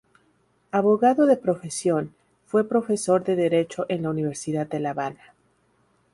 Abogado de profesión, fue profesor de derecho en la Universidad de La Habana.